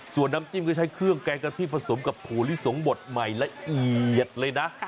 ส่วนน้ำจิ้มก็ใช้เครื่องแกงกะทิผสมกับถั่วลิสงบดใหม่ละเอียดเลยนะ